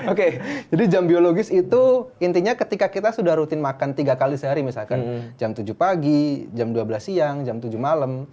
oke jadi jam biologis itu intinya ketika kita sudah rutin makan tiga kali sehari misalkan jam tujuh pagi jam dua belas siang jam tujuh malam